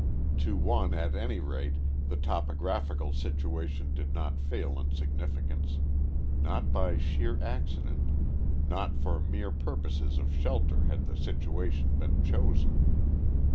To one, at any rate, the topographical situation did not fail in significance. Not by sheer accident, not for mere purposes of shelter had the situation been chosen.